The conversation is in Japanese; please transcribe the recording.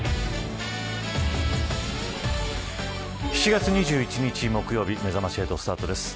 ７月２１日木曜日めざまし８スタートです。